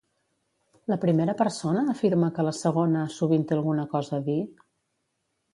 La primera persona afirma que la segona sovint té alguna cosa a dir?